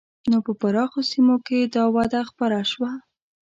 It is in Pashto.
نو په پراخو سیمو کې دا وده خپره شوه.